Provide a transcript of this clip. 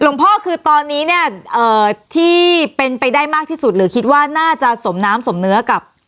พ่อคือตอนนี้เนี่ยที่เป็นไปได้มากที่สุดหรือคิดว่าน่าจะสมน้ำสมเนื้อกับ